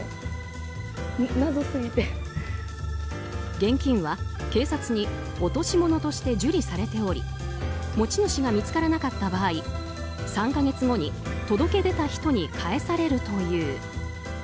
現金は、警察に落とし物として受理されており持ち主が見つからなった場合３か月後に届け出た人に返されるという。